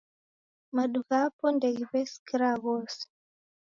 Madu ghapo ndeghiw'eskira ghose